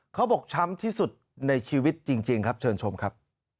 บอกช้ำที่สุดในชีวิตจริงครับเชิญชมครับ